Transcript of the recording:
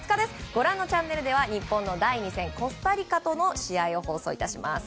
ご覧のチャンネルでは日本の第２戦コスタリカとの試合を放送します。